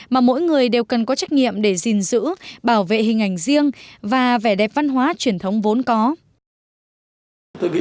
mà mỗi người đều cần có trách nhiệm để gìn giữ bảo vệ hình ảnh riêng và vẻ đẹp văn hóa truyền thống vốn có